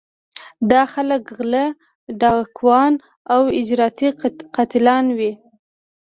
دا خلک غلۀ ، ډاکوان او اجرتي قاتلان وي